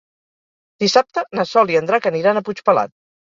Dissabte na Sol i en Drac aniran a Puigpelat.